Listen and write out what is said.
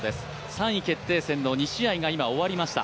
３位決定戦の２試合が今終わりました。